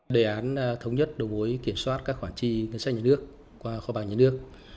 đề án thống nhất đầu mối kiểm soát các khoản chi ngân sách nhà nước qua kho bạc nhà nước